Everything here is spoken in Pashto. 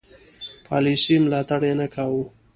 پالیسي ملاتړ یې نه کاوه.